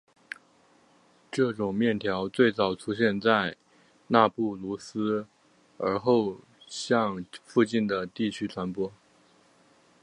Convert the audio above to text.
这种面条最早出现在纳布卢斯而后向附近的地区传播。